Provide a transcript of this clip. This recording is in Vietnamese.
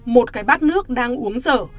một cái bát nước đang uống dở